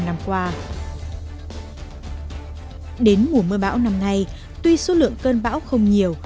đến mùa mưa bão năm nay tuy số lượng cơn bão không nhiều